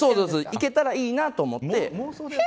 行けたらいいなと思って。